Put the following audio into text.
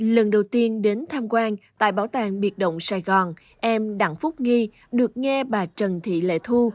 lần đầu tiên đến tham quan tại bảo tàng biệt động sài gòn em đặng phúc nghi được nghe bà trần thị lệ thu